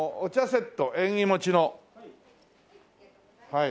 はい。